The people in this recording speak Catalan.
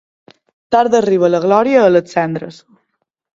Tard arriba la glòria a les cendres.